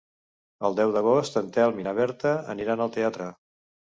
El deu d'agost en Telm i na Berta aniran al teatre.